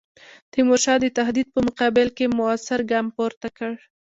تیمورشاه د تهدید په مقابل کې موثر ګام پورته کړ.